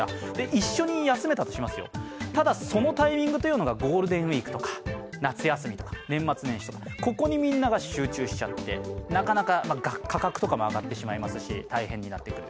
一緒に休めたとしますよ、ただ、そのタイミングというのがゴールデンウイークとか、夏休み、年末年始とか、ここにみんなが集中しちゃってなかなか価格とかも上がってしまいますし大変になってくる。